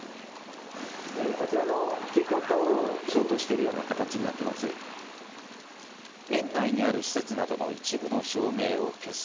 あちらの蛍光灯を消灯しているような形になっています。